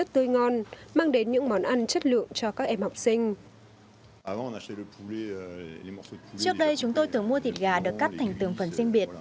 trước đây chúng tôi tưởng mua thịt gà được cắt thành từng phần sinh biệt